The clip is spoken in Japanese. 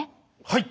はい。